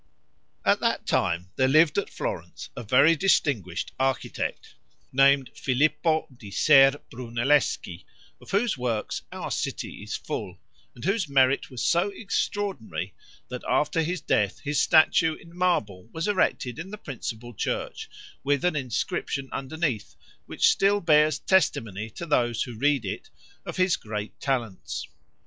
At that time there lived at Florence, a very distinguished architect, named Filippo di Ser Brunelleschi, of whose works our city is full, and whose merit was so extraordinary, that after his death his statue in marble was erected in the principal church, with an inscription underneath, which still bears testimony to those who read it, of his great talents.